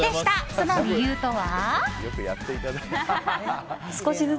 その理由とは？